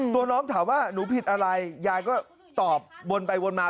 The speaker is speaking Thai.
ตัวน้องถามว่าหนูผิดอะไรยายก็ตอบวนไปวนมา